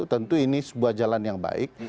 tentu ini sebuah jalan yang baik